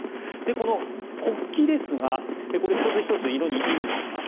この国旗ですがこれ、１つ１つ色に意味があります。